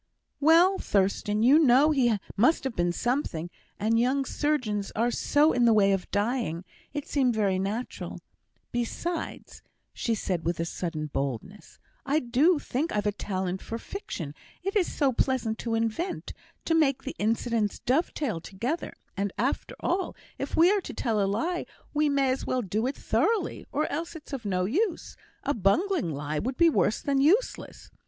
"Well, Thurstan, you know he must have been something; and young surgeons are so in the way of dying, it seemed very natural. Besides," said she, with sudden boldness, "I do think I've a talent for fiction, it is so pleasant to invent, and make the incidents dovetail together; and after all, if we are to tell a lie, we may as well do it thoroughly, or else it's of no use. A bungling lie would be worse than useless.